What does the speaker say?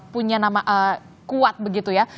punya nama kuat begitu ya